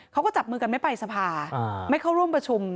เขาก็จับมือกันไม่ไปสภาไม่เข้าร่วมประชุม